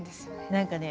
何かね